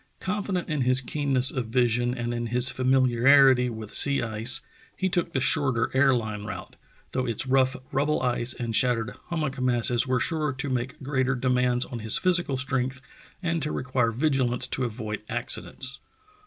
Confident in his keenness of vision and in his famiharity with sea ice, he took the shorter air line route, though its rough rubble ice and shattered hummock masses were sure to make greater demands on his physical strength and to require vigilance to avoid accidents.